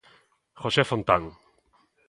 Jose Fontán.